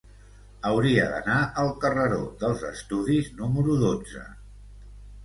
Hauria d'anar al carreró dels Estudis número dotze.